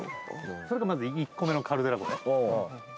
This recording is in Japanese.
それがまず１個目のカルデラ湖ね。